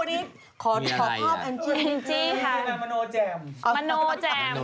มีอะไรแมโนเจมส์